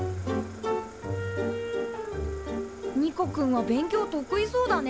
ニコくんは勉強得意そうだね。